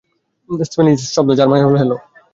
Spanish শব্দ যার মানে হ্যালো।